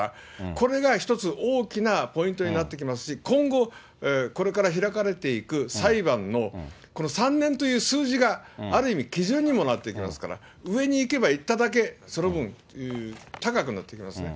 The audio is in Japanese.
これが一つ、大きなポイントになってきますし、今後、これから開かれていく裁判のこの３年という数字がある意味基準にもなってきますから、上にいけばいっただけ、その分、高くなってきますね。